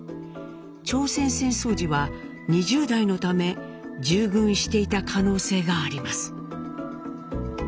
朝鮮戦争時は２０代のため従軍していた可能性があります。